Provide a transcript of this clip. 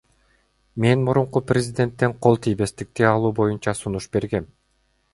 Мен мурунку президенттен кол тийбестикти алуу боюнча сунуш бергем.